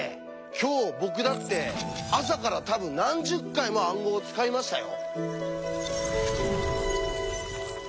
今日僕だって朝から多分何十回も暗号を使いましたよ！